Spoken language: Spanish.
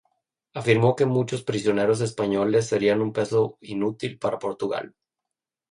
Afirmó que muchos prisioneros españoles serían un peso inútil para Portugal.